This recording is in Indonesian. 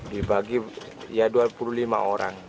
dibagi ya dua puluh lima orang